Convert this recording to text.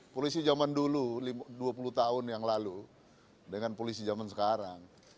polisi zaman dulu dua puluh tahun yang lalu dengan polisi zaman sekarang